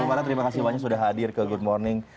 bagaimana terima kasih banyak sudah hadir ke good morning